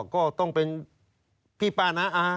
ก็ต้องเป็นพี่ป้าน้าอา